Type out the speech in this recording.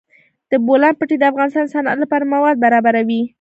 د بولان پټي د افغانستان د صنعت لپاره مواد برابروي.